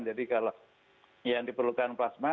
jadi kalau yang diperlukan plasma